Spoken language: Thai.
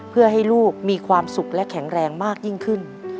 เพื่อให้ลูกมีความสุขและแข็งแรงมากยิ่งขึ้น